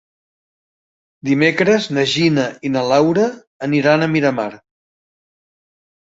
Dimecres na Gina i na Laura aniran a Miramar.